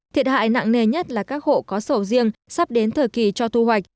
thiệt hại nặng nề nhất là các hộ có sầu riêng sắp đến thời kỳ cho thu hoạch